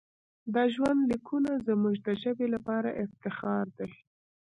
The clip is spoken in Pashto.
دا ژوندلیکونه زموږ د ژبې لپاره افتخار دی.